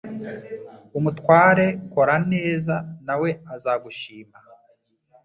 umutware Kora neza na we azagushima